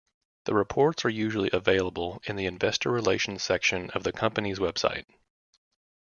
The reports are usually available in the investor relations section of the company's website.